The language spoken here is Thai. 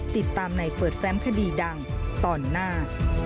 ติดตามในเปิดแฟมคดีดังตอนหน้า